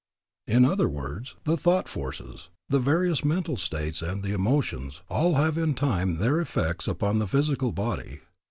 In other words, the thought forces, the various mental states and the emotions, all have in time their effects upon the physical body.